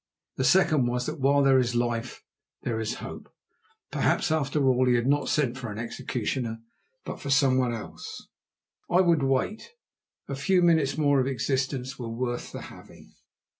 The second was that while there is life there is hope. Perhaps, after all, he had not sent for an executioner, but for someone else. I would wait. A few minutes more of existence were worth the having.